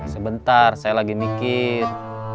sebentar saya lagi nikir